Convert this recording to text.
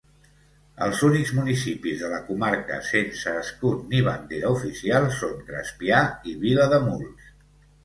Els únics municipis de la comarca sense escut ni bandera oficial són Crespià i Vilademuls.